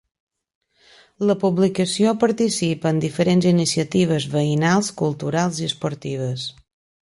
La publicació participa en diferents iniciatives veïnals, culturals i esportives.